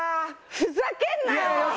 ふざけんなよ！